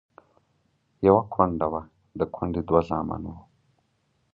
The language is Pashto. يوه کونډه وه، د کونډې دوه زامن وو.